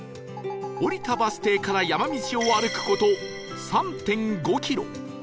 降りたバス停から山道を歩く事 ３．５ キロ